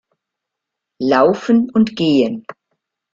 Laufen und Gehen